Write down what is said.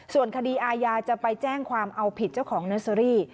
ส่วนคดีอาญาจะไปแจ้งความเอาผิดเจ้าของเนอร์เซอรี่